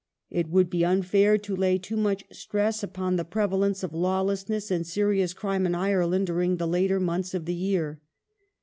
It would be unfair to lay too much stress upon the pre | valence of lawlessness and serious crime in Ireland during the later j months of the year.